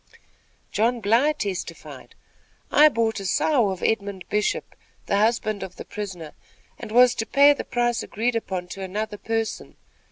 John Bly testified: "I bought a sow of Edmund Bishop, the husband of the prisoner, and was to pay the price agreed upon to another person.